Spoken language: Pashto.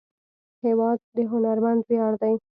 هېواد د هنرمند ویاړ دی.